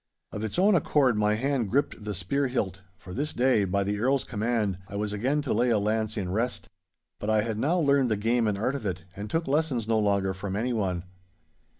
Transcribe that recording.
Of its own accord my hand gripped the spearhilt, for this day, by the Earl's command, I was again to lay a lance in rest. But I had now learned the game and art of it, and took lessons no longer from anyone.